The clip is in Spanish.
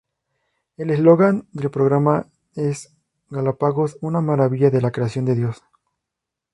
El eslogan del programa es "Galápagos, una maravilla de la creación de Dios".